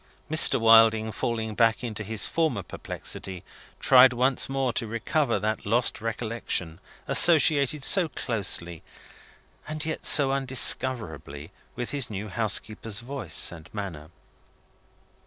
Mr. Wilding, falling back into his former perplexity, tried once more to recover that lost recollection, associated so closely, and yet so undiscoverably, with his new housekeeper's voice and manner.